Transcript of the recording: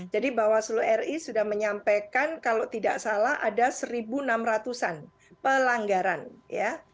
jadi bawah slu ri sudah menyampaikan kalau tidak salah ada seribu enam ratus an pelanggaran ya